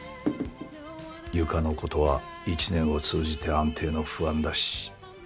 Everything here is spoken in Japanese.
由香のことは一年を通じて安定の不安だし。